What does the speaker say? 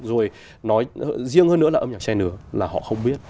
rồi nói riêng hơn nữa là âm nhạc che nứa là họ không biết